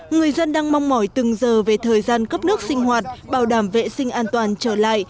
người dân đang mong mỏi từng giờ về thời gian cấp nước sinh hoạt bảo đảm vệ sinh an toàn trở lại